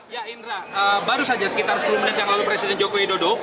ya indra baru saja sekitar sepuluh menit yang lalu presiden joko widodo